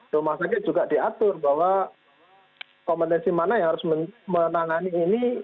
rumah sakit juga diatur bahwa kompetensi mana yang harus menangani ini